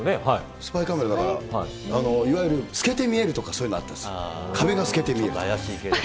スパイカメラだから、いわゆる透けて見えるとか、そういうのあったでしょ、怪しい系。